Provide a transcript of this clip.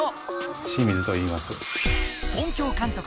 清水と言います。